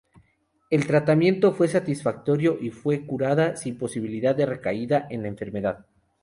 El tratamiento fue satisfactorio y fue curada sin posibilidad de recaída en la enfermedad.